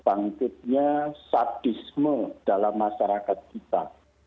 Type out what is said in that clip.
bangkitnya sadisme dalam masyarakat kita